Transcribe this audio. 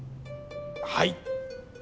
はい。